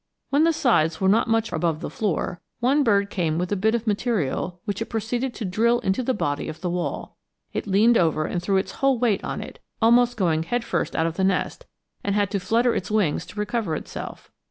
When the sides were not much above the floor, one bird came with a bit of material which it proceeded to drill into the body of the wall. It leaned over and threw its whole weight on it, almost going head first out of the nest, and had to flutter its wings to recover itself.